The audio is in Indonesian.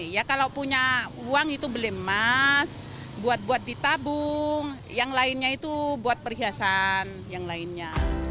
ya kalau punya uang itu beli emas buat buat ditabung yang lainnya itu buat perhiasan yang lainnya